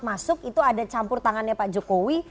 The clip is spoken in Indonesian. masuk itu ada campur tangannya pak jokowi